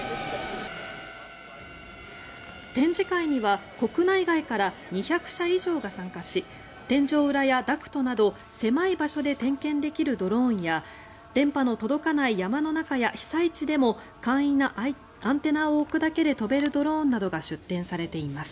展示会には国内外から２００社以上が参加し天井裏やダクトなど狭い場所で点検できるドローンや電波の届かない山の中や被災地でも簡易なアンテナを置くだけで飛べるドローンなどが出展されています。